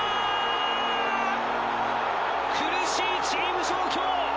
苦しいチーム状況。